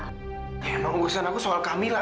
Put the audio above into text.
ya mau ngurusin aku soal kamila